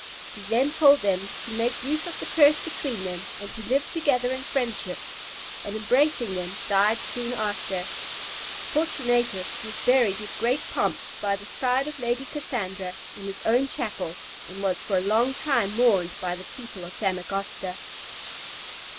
He then told them to make use of the purse between them, and to live together in friendship; and embracing them, died soon after. Fortunatus was buried with great pomp by the side of Lady Cassandra, in his own chapel, and was for a long time mourned by the people of Famagosta.